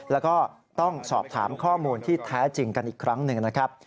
แล้วก็ต้องสอบถามข้อมูลที่แท้จริงกันอีกครั้งหนึ่งนะครับ